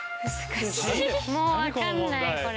もう分かんないこれ。